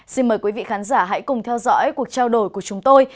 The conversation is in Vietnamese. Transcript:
xin mời quý vị khán giả hãy cùng theo dõi cuộc trao đổi của chúng tôi